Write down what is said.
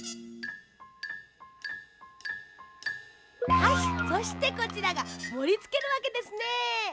はいそしてこちらがもりつけるわけですね。